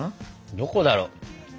どこだろう？